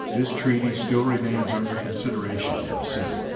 This treaty still remains under consideration in the Senate.